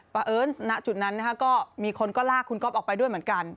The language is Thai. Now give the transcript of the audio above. เอิญณจุดนั้นนะคะก็มีคนก็ลากคุณก๊อฟออกไปด้วยเหมือนกัน